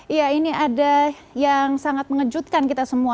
iya ini ada yang sangat mengejutkan kita semua